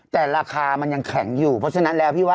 แต่ราคามันยังแข็งอยู่เพราะฉะนั้นแล้วพี่ว่า